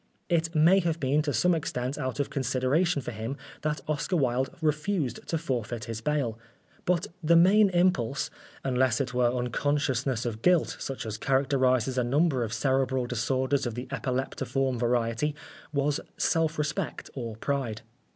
It may have been to some extent out of consideration for him that Oscar Wilde refused to forfeit his bail, but the main impulse, unless it were unconsciousness of guilt, such as characterises a number of cerebral disorders of the epileptiform variety, was self respect or pride.